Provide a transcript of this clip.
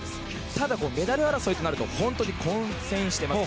ただ、メダル争いとなると本当に混戦しています。